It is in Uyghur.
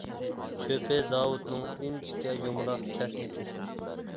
چۆپى زاۋۇتنىڭ ئىنچىكە يۇمىلاق كەسمە چۆپى.